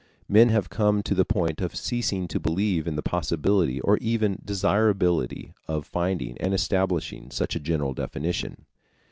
Men have come to the point of ceasing to believe in the possibility or even desirability of finding and establishing such a general definition.